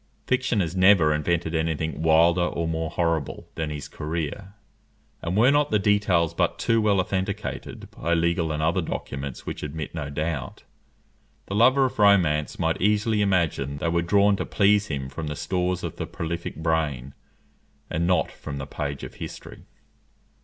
Fiction has never invented any thing wilder or more horrible than his career; and were not the details but too well authenticated by legal and other documents which admit no doubt, the lover of romance might easily imagine they were drawn to please him from the stores of the prolific brain, and not from the page of history.